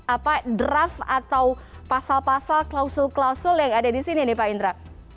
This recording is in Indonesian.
apa draft atau pasal pasal klausul klausul yang ada di sini nih pak indra